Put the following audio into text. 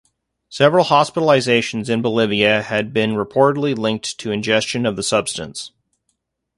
Several hospitalizations in Bolivia had been reportedly linked to ingestion of the substance.